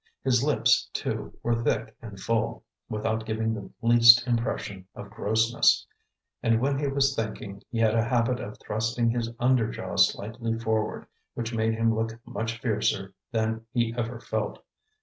His lips, too, were thick and full, without giving the least impression of grossness; and when he was thinking, he had a habit of thrusting his under jaw slightly forward, which made him look much fiercer than he ever felt.